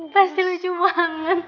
pasti lucu banget